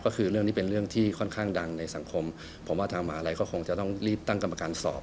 ก็คือเรื่องนี้เป็นเรื่องที่ค่อนข้างดังในสังคมผมว่าทางมหาลัยก็คงจะต้องรีบตั้งกรรมการสอบ